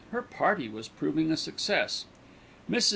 Her party was proving a success. Mrs.